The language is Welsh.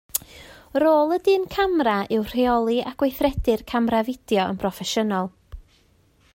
Rôl y dyn camera yw rheoli a gweithredu'r camera fideo yn broffesiynol